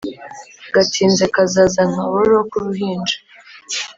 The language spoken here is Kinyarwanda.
Gatinze kazaza nkaboro k'uruhinja.